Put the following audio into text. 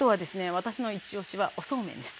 私の一押しはおそうめんです。